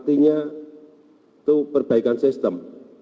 itu perbaikan sistem